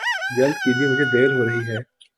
جلدی کیجئے مجھے دعر ہو رہی ہے